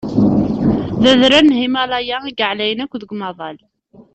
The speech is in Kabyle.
D adrar n Himalaya i yeɛlayen akk deg umaḍal.